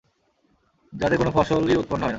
যাতে কোন ফসলই উৎপন্ন হয় না।